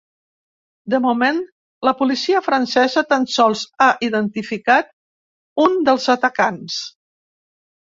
De moment, la policia francesa tan sols ha identificat un dels atacants.